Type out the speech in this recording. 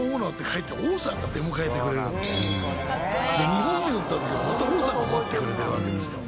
２本目打った時もまた王さんが待ってくれてるわけですよ。